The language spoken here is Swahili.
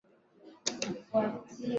Uganda ya kuwa na vita na serikali za